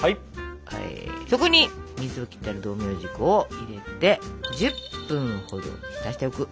そこに水を切ってある道明寺粉を入れて１０分ほど浸しておく。